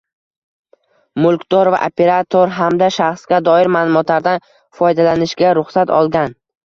Mulkdor va operator hamda shaxsga doir ma’lumotlardan foydalanishga ruxsat olgan